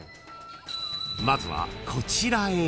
［まずはこちらへ］